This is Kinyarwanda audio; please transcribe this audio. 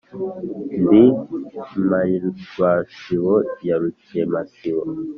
Ndi Imparirwasibo ya Rukemasibo